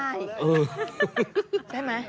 ใช่ไหม